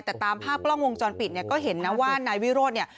แต่ตามภาพกล้องวงจรปิดเนี่ยก็เห็นนะว่านายวิโรธเนี่ย